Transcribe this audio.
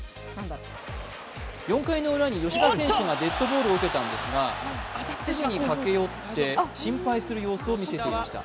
４回のウラに吉田選手がデッドボールを受けたんですが、すぐに駆け寄って心配する様子を見せていました。